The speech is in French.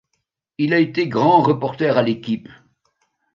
Il a été grand reporter à L'Équipe.